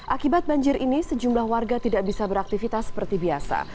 akibat banjir ini sejumlah warga tidak bisa beraktivitas seperti biasa